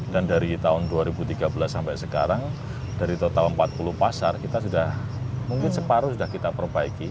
dan dari tahun dua ribu tiga belas sampai sekarang dari total empat puluh pasar kita sudah mungkin separuh sudah kita perbaiki